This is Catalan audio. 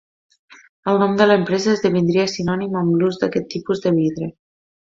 El nom de l'empresa esdevindria sinònim amb l'ús d'aquest tipus de vidre.